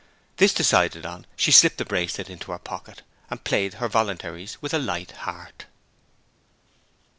This decided on she slipped the bracelet into her pocket, and played her voluntaries with a light heart.